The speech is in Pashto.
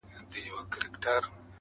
صداقت تل روښانه لاره مومي!